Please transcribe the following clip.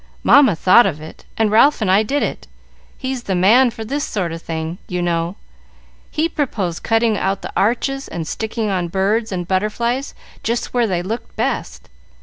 "Mamma thought of it, and Ralph and I did it. He's the man for this sort of thing, you know. He proposed cutting out the arches and sticking on birds and butterflies just where they looked best.